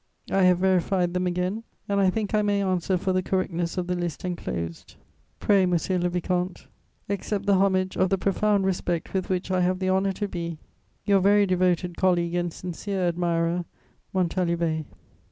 I have verified them again, and I think I may answer for the correctness of the list enclosed. "Pray, monsieur le vicomte, accept the homage of the profound respect with which I have the honour to be, "Your very devoted colleague and sincere admirer, "MONTALIVET."